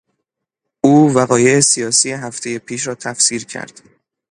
او وقایع سیاسی هفتهی پیش را تفسیر کرد.